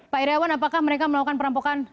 pak iryawan apakah mereka melakukan perampokan